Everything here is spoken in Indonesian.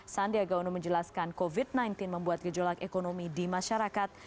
sandiaga uno menjelaskan covid sembilan belas membuat gejolak ekonomi di masyarakat